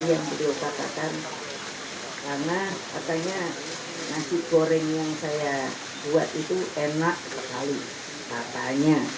yang beliau katakan karena katanya nasi goreng yang saya buat itu enak sekali katanya